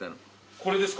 これですか？